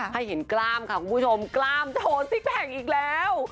ให้เห็นกล้ามค่ะคุณผู้ชมกล้ามโทนซิกแพคอีกแล้ว